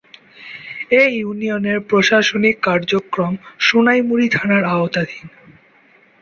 এ ইউনিয়নের প্রশাসনিক কার্যক্রম সোনাইমুড়ি থানার আওতাধীন।